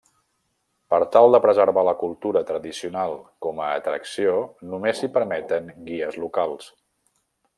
Per tal de preservar la cultura tradicional com a atracció, només s'hi permeten guies locals.